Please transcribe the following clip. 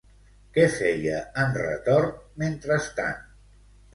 Què feia en Retort mentrestant?